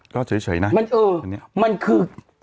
ก็เฉยนะมันเออมันคือ